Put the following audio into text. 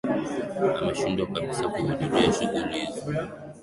ameshindwa kabisa kuhudhuria shughuli hizo